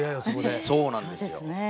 そうなんですよ。